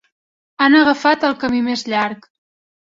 Han agafat el camí més llarg.